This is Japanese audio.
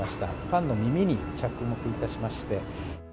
パンの耳に着目いたしまして。